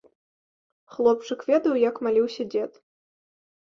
Хлопчык ведаў, як маліўся дзед.